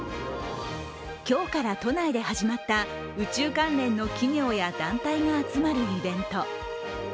今日から都内で始まった宇宙関連の企業や団体が集まるイベント。